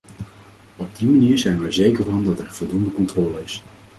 Op die manier zijn we er zeker van dat er voldoende controle is.